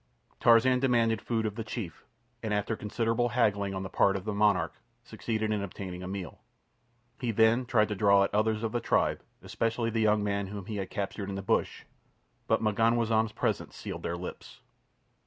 Tarzan demanded food of the chief, and after considerable haggling on the part of the monarch succeeded in obtaining a meal. He then tried to draw out others of the tribe, especially the young man whom he had captured in the bush, but M'ganwazam's presence sealed their lips.